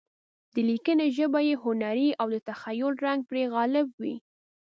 د لیکنې ژبه یې هنري او د تخیل رنګ پرې غالب وي.